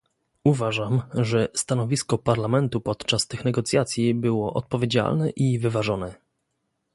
Uważam, że stanowisko Parlamentu podczas tych negocjacji było odpowiedzialne i wyważone